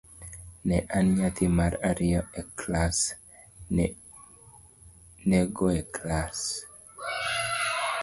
Ne an nyathi mar ariyo e klaswa, ne - go e klas.